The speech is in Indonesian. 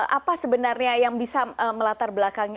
apa sebenarnya yang bisa melatar belakangnya